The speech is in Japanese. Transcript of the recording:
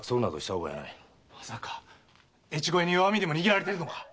まさか越後屋に弱味でも握られてるのか？